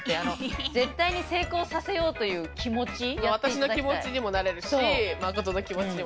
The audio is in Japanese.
私の気持ちにもなれるし誠の気持ちにもなれるし。